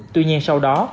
tuy nhiên sau đó